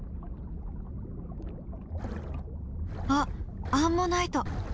あっアンモナイト。